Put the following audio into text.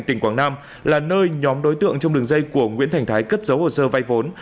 tỉnh quảng nam là nơi nhóm đối tượng trong đường dây của nguyễn thành thái cất giấu hồ sơ vay vốn